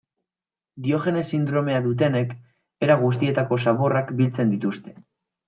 Diogenes sindromea dutenek era guztietako zaborrak biltzen dituzte.